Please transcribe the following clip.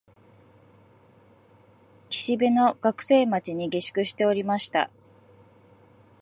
岸辺の学生町に下宿しておりました